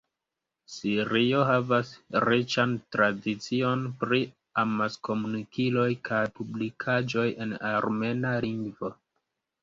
Sirio havas riĉan tradicion pri amaskomunikiloj kaj publikaĵoj en armena lingvo.